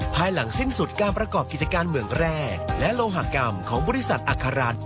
ภายหลังสิ้นสุดการประกอบกิจการเมืองแรกและโลหกรรมของบริษัทอัครรัฐ